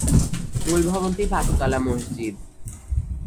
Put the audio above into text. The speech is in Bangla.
মূল ভবনটি পাঁচতলা মসজিদ।